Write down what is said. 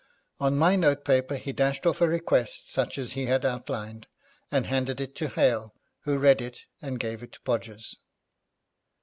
On my notepaper he dashed off a request such as he had outlined, and handed it to Hale, who read it and gave it to Podgers.